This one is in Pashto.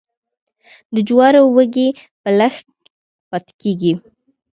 د جوارو وږي په لښک پاکیږي.